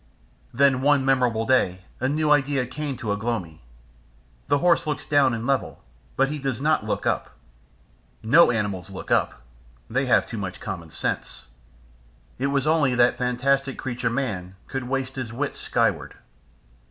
Then one memorable day a new idea came to Ugh lomi. The horse looks down and level, but he does not look up. No animals look up they have too much common sense. It was only that fantastic creature, man, could waste his wits skyward.